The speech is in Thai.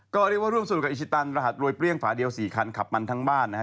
ก็เรียกว่าร่วมสนุกกับอิชิตันรหัสรวยเปรี้ยงฝาเดียว๔คันขับมันทั้งบ้านนะฮะ